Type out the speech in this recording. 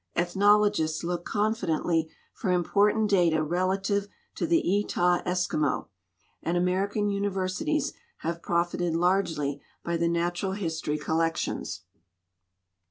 Ethnologists look contidently for impor tant data relative to the Etah Eskimo, and American universities have profited largely by the natural history collections.